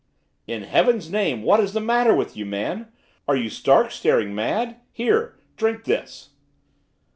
'In Heaven's name, what is the matter with you, man? Are you stark, staring mad? Here, drink this!